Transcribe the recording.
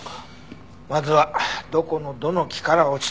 まずはどこのどの木から落ちたのか。